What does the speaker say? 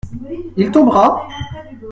Il tombera ?